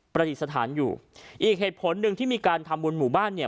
ดิษฐานอยู่อีกเหตุผลหนึ่งที่มีการทำบุญหมู่บ้านเนี่ย